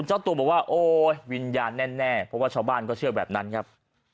เจ้าตัวบอกว่าโอ๊ยวิญญาณแน่เพราะว่าชาวบ้านก็เชื่อแบบนั้นครับ